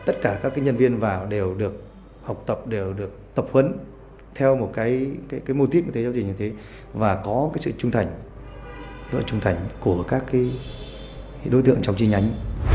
tất cả các nhân viên vào đều được học tập đều được tập huấn theo một mô tích giáo dịch như thế và có sự trung thành của các đối tượng trong chi nhánh